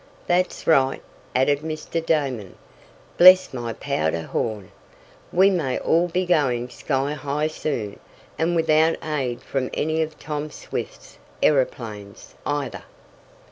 "That's right!" added Mr. Damon. "Bless my powder horn! We may all be going sky high soon, and without aid from any of Tom Swift's aeroplanes, either."